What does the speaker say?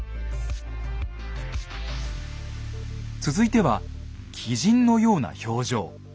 続いては鬼神のような表情。